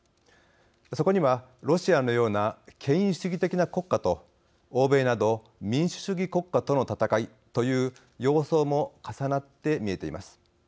そこには、ロシアのような権威主義的な国家と、欧米など民主主義国家との戦いという様相も重なって見えています。